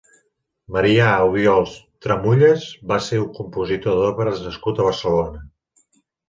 Marià Obiols i Tramullas va ser un compositor d'òperes nascut a Barcelona.